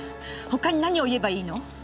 他に何を言えばいいの！？